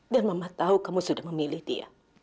dan mama tahu kamu sudah memilih dia